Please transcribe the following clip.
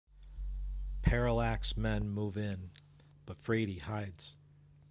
Parallax men move in, but Frady hides.